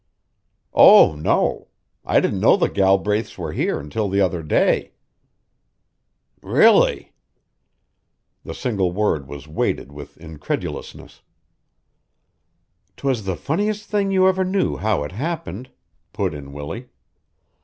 "Oh, no. I didn't know the Galbraith's were here until the other day." "Really!" The single word was weighted with incredulousness. "'Twas the funniest thing you ever knew how it happened," put in Willie.